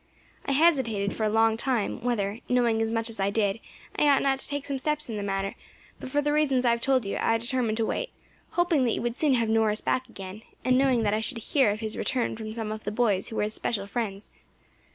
I hesitated for a long time whether, knowing as much as I did, I ought not to take some steps in the matter; but for the reasons I have told you I determined to wait, hoping that you would soon have Norris back again, and knowing that I should hear of his return from some of the boys who were his special friends.